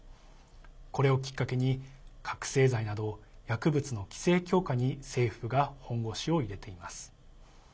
これをきっかけに覚醒剤など薬物の規制強化に政府が本腰を入れています。